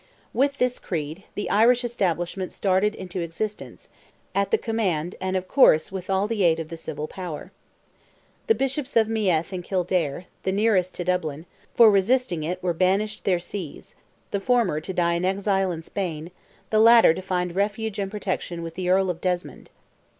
With this creed, the Irish Establishment started into existence, at the command and, of course, with all the aid of the civil power. The Bishops of Meath and Kildare, the nearest to Dublin, for resisting it were banished their sees; the former to die an exile in Spain, the latter to find refuge and protection with the Earl of Desmond.